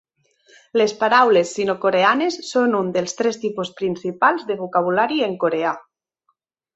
Les paraules sinocoreanes són un dels tres tipus principals de vocabulari en coreà.